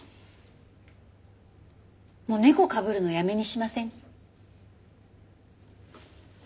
もう猫かぶるのやめにしません？